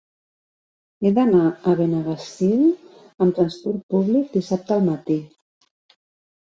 He d'anar a Benaguasil amb transport públic dissabte al matí.